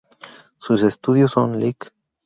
Sus estudios son Lic.